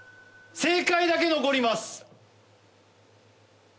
正解だけ残ります！